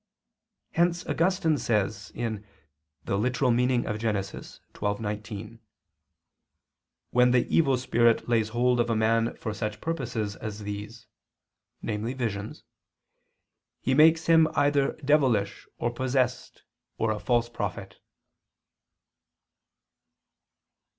Hence Augustine says (Gen. ad lit. xii, 19): "When the evil spirit lays hold of a man for such purposes as these," namely visions, "he makes him either devilish, or possessed, or a false prophet."